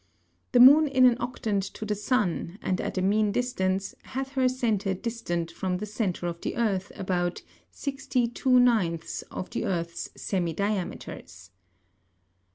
The Moon in an Octant to the Sun, and at a mean distance, hath her Centre distant from the Centre of the Earth about 60 2/9 of the Earth's Semi diameters.